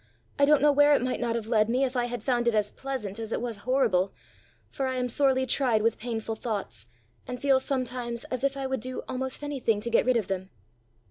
I don't know where it might not have led me if I had found it as pleasant as it was horrible; for I am sorely tried with painful thoughts, and feel sometimes as if I would do almost anything to get rid of them."